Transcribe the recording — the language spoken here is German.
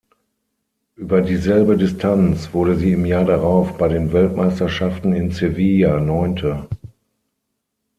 Über dieselbe Distanz wurde sie im Jahr darauf bei den Weltmeisterschaften in Sevilla Neunte.